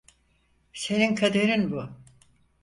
Senin kaderin bu.